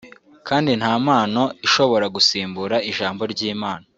kandi nta mpano ishobora gusimbura Ijambo ry’Imana